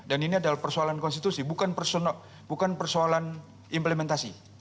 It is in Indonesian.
dan ini adalah persoalan konstitusi bukan persoalan implementasi